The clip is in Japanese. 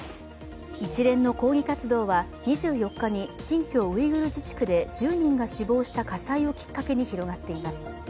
一連の抗議活動は２４日に新疆ウイグル自治区で１０人が死亡した火災をきっかけに広がっています。